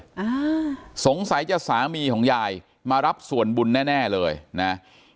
อ่าสงสัยจะสามีของยายมารับส่วนบุญแน่แน่เลยนะ